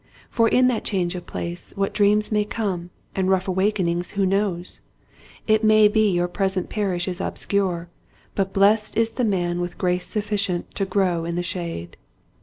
For in that change of place what dreams may come and rough awakenings who knows ! It may be your present parish is obscure, but blessed is the man with grace sufficient to grow in the shade.